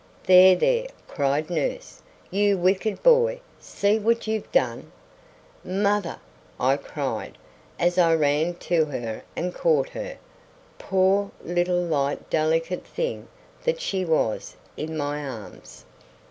"There, there," cried nurse, "you wicked boy, see what you've done." "Mother!" I cried, as I ran to her and caught her poor, little, light, delicate thing that she was in my arms.